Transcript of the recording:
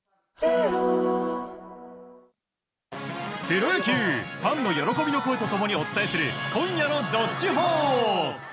プロ野球ファンの喜びの声と共にお伝えする今夜の「＃どっちほー」。